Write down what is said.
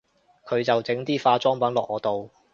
佢就整啲化妝品落我度